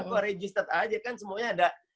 gue register aja kan semuanya ada